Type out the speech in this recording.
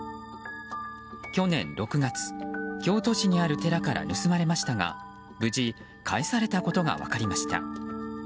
去年６月、京都市にある寺から盗まれましたが無事、返されたことが分かりました。